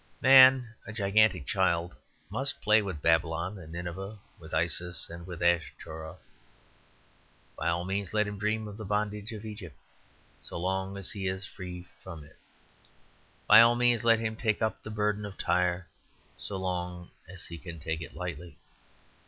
Man, a gigantic child, must play with Babylon and Nineveh, with Isis and with Ashtaroth. By all means let him dream of the Bondage of Egypt, so long as he is free from it. By all means let him take up the Burden of Tyre, so long as he can take it lightly.